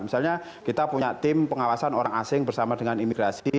misalnya kita punya tim pengawasan orang asing bersama dengan imigrasi